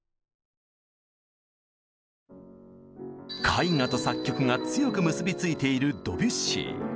絵画と作曲が強く結び付いているドビュッシー。